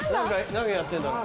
何やってんだろう？